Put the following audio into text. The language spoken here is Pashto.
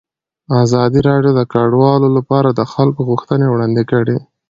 ازادي راډیو د کډوال لپاره د خلکو غوښتنې وړاندې کړي.